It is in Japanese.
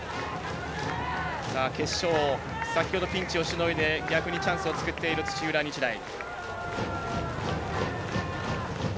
決勝、先ほどピンチをしのいで逆にチャンスを作っている土浦日大。